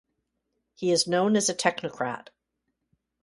He is known as a technocrat.